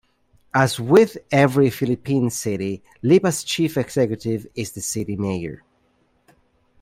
As with every Philippine city, Lipa's chief executive is the city mayor.